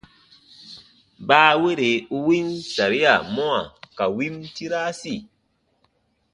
Baawere u win saria mɔwa ka win tirasi.